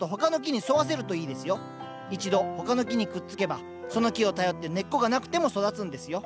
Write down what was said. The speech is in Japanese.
一度他の木にくっつけばその木を頼って根っこがなくても育つんですよ。